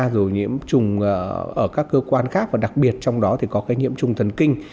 rồi nhiễm trùng ở các cơ quan khác và đặc biệt trong đó thì có cái nhiễm trùng thần kinh